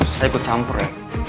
saya ikut campur ya